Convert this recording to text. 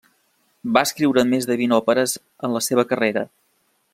Va escriure més de vint òperes en la seva carrera.